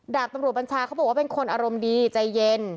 ดาบตำรวจบัญชาเขาบอกว่าเป็นคนอารมณ์ดีใจเย็น